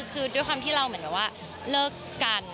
คือด้วยความที่เราเหมือนแบบว่าเลิกกัน